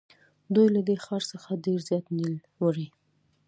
دوی له دې ښار څخه ډېر زیات نیل وړي.